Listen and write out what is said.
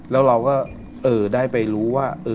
แล้วเราก็ได้ไปรู้ว่า